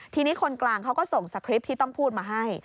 ทีนี้คนกลางเขาก็ส่งสคริปต์ที่ต้องพูดมาให้